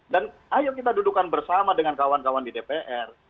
dan ayo kita dudukkan bersama dengan kawan kawan di dpr